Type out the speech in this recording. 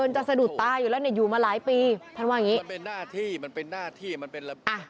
จะกลัวอะไรแล้วเออผมกลัวอะไรล่ะ